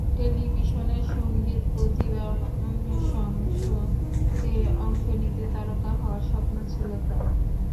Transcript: টেলিভিশনের সংগীত প্রতিভা অন্বেষণ শোতে অংশ নিয়ে তারকা হওয়ার স্বপ্ন ছিল তাঁর।